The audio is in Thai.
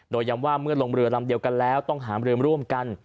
โดยย้ำว่าเมื่อลงเรือลำเดียวกันแล้วต้องหามเรือมร่วมกัน